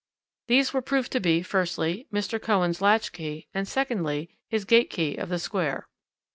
These were proved to be, firstly, Mr. Cohen's latch key, and, secondly, his gate key of the Square.